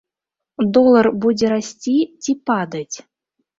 Долар будзе расці ці падаць?